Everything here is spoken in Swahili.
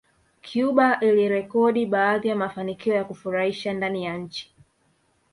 Cuba ilirekodi baadhi ya mafanikio ya kufurahisha ndani ya nchi